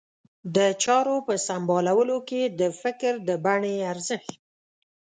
د چارو په سمبالولو کې د فکر د بڼې ارزښت.